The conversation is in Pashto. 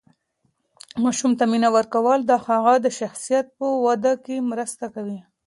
ماشوم ته مینه ورکول د هغه د شخصیت په وده کې مرسته کوي.